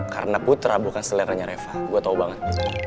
karena putra bukan seleranya reva gue tau banget